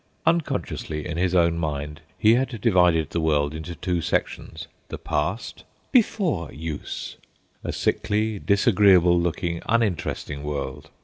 Unconsciously, in his own mind, he had divided the world into two sections. The Past ("Before Use"), a sickly, disagreeable looking, uninteresting world.